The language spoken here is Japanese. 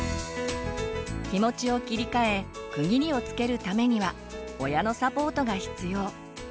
気持ちを切り替え区切りをつけるためには親のサポートが必要。